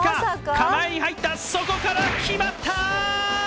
構えに入った、そこから決まった！